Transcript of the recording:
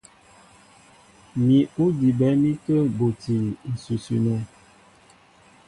Mǐ' ó dibɛ mi tə̂ buti ǹsʉsʉ nɛ́.